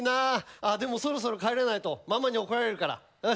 あでもそろそろ帰らないとママに怒られるからよし行こう。